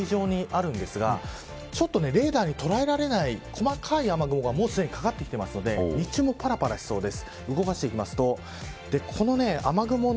最新の雨と雲、雪の様子を見ていくとこの辺りまだ雨雲は海上にあるんですがちょっとレーダーに捉えられない細かい雨雲がもう、すでに、かかってきているので日中もぱらぱらしそうです。